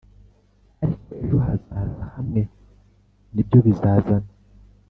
ariko ejo hazaza hamwe nibyo bizazana.